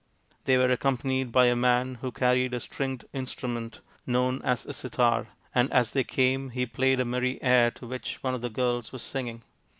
They were accompanied by a man who carried a stringed instrument known i88 THE INDIAN STORY BOOK as a sitar, and as they came he played a merry air to which one of the girls was singing.